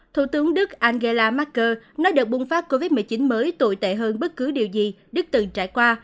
thủ tướng đức angela marker nói đợt bùng phát covid một mươi chín mới tồi tệ hơn bất cứ điều gì đức từng trải qua